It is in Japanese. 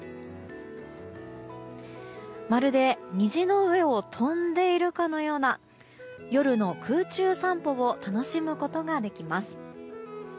まるで虹の上を飛んでいるかのような夜の空中散歩を楽しむことができます。